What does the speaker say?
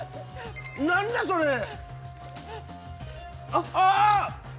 何だそれあっああ！